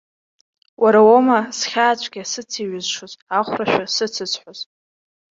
Уара уоума схьаацәгьа сыцеиҩызшоз, ахәрашәа сыцызҳәоз?